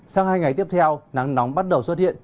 sang hai ngày tiếp theo nắng nóng bắt đầu xuất hiện